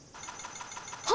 あ！